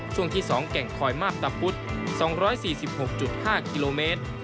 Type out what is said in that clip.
ช่วงที่๒แก่งคอยมาบตะพุธ๒๔๖๕กิโลเมตร